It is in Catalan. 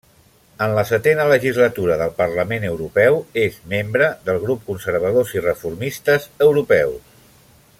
En la setena legislatura del Parlament Europeu, és membre del grup Conservadors i Reformistes Europeus.